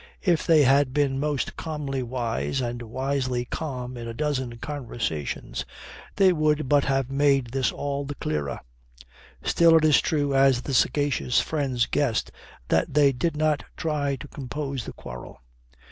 If they had been most calmly wise and wisely calm in a dozen conversations, they would but have made this all the clearer. Still it is true, as the sagacious friends guessed, that they did not try to compose the quarrel.